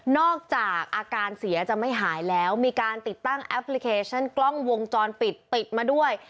อกจากอาการเสียจะไม่หายแล้วมีการติดตั้งแอปพลิเคชันกล้องวงจรปิดติดมาด้วย